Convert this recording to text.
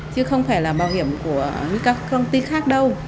chứ không phải là bảo hiểm của các công ty khác đâu